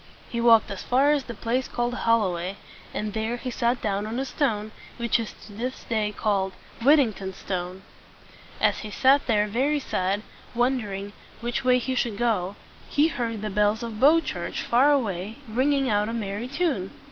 He walked as far as the place called Hol lo way, and there he sat down on a stone, which to this day is called "Whit ting ton's Stone." As he sat there very sad, and wondering which way he should go, he heard the bells on Bow Church, far away, ringing out a merry chime.